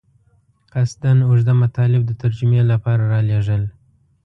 قصداً اوږده مطالب د ترجمې لپاره رالېږل.